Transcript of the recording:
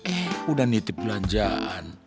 eh udah nitip belanjaan